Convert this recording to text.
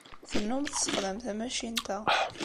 Tennum tessexdam tamacint-a.